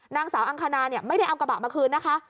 นางสาวอังคณาไม่ได้เอากระบะมาคืนนะคะ